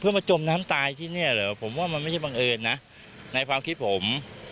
เพื่อมาจมน้ำตายที่เนี่ยเหรอผมว่ามันไม่ใช่บังเอิญนะในความคิดผม